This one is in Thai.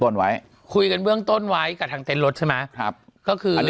ต้นไว้คุยกันเบื้องต้นไว้กับทางเต้นรถใช่มั้ยอันนี้คือ